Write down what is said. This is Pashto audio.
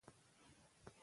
افغانستان په تاریخ غني دی.